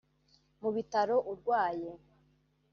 mu bitaro urwaye[